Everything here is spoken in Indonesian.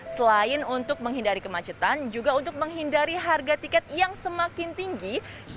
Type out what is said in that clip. selain untuk menghindari kemacetan juga untuk menghindari harga tiket yang semakin tinggi